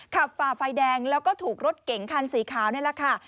ฝ่าไฟแดงแล้วก็ถูกรถเก๋งคันสีขาวนี่แหละค่ะ